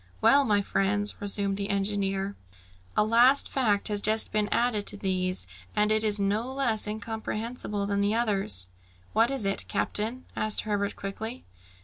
"Well, my friends," resumed the engineer, "a last fact has just been added to these, and it is no less incomprehensible than the others!" "What is it, captain?" asked Herbert quickly.